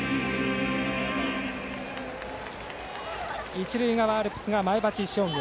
一塁側アルプスが前橋商業。